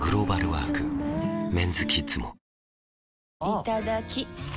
いただきっ！